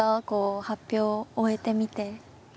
こう発表終えてみて。